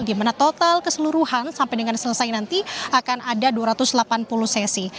di mana total keseluruhan sampai dengan selesai nanti akan ada dua ratus delapan puluh sesi